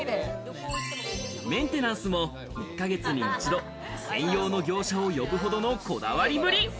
メンテナンスも１か月に一度、専用の業者を呼ぶほどのこだわりぶり。